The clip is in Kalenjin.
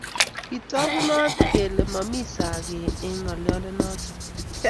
kitokunot kele momi sakee eng ng'oliondenoto